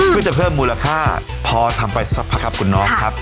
เพื่อจะเพิ่มมูลค่าพอทำไปสักพักครับคุณน้องครับ